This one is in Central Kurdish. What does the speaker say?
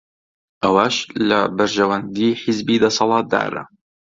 ئەوەش لە بەرژەوەندیی حیزبی دەسەڵاتدارە